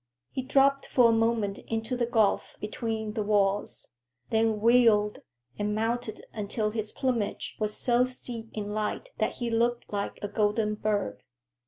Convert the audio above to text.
He dropped for a moment into the gulf between the walls, then wheeled, and mounted until his plumage was so steeped in light that he looked like a golden bird.